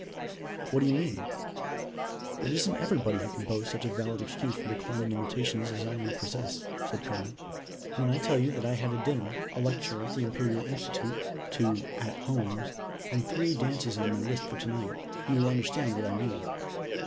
"What do you mean?" "It isn't everybody who can boast such a valid excuse for declining invitations as I now possess," said Carne. "When I tell you that I had a dinner, a lecture at the Imperial institute, two 'at homes,' and three dances on my list for to night, you will understand what I mean.